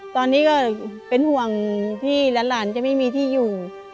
ตอนนี้ก็เป็นห่วงที่หลานจะไม่มีที่อยู่